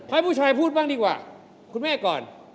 ให้ผู้ชายพูดบ้างดีกว่าคุณแม่ก่อน